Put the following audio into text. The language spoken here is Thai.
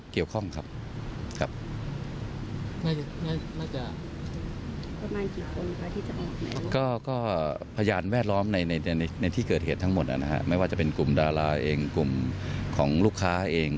ก็พยานแวดล้อมในที่เกิดเหตุทั้งหมดนะครับไม่ว่าจะเป็นกลุ่มดาราเองกลุ่มของลูกค้าเอง